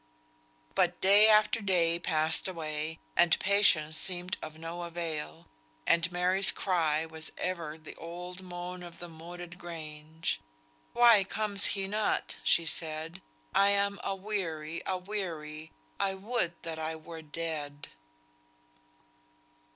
But day after day passed away, and patience seemed of no avail; and Mary's cry was ever the old moan of the Moated Grange, "Why comes he not," she said, "I am aweary, aweary, I would that I were dead."